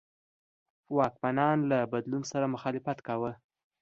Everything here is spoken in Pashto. واکمنان له بدلون سره مخالفت کاوه.